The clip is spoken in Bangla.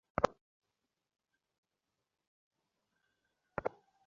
এর বাইরে ফ্যাক্ট চেকিং সহযোগীদের সঙ্গে কাজ করার কথা বলেছেন লায়ন্স।